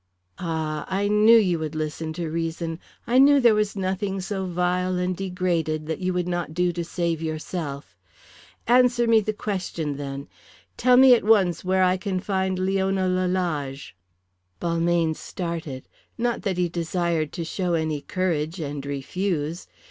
"Ah, I knew you would listen to reason; I knew there was nothing so vile and degraded that you would not do to save yourself. Answer me the question, then. Tell me at once where I can find Leona Lalage?" Balmayne started. Not that he desired to show any courage and refuse.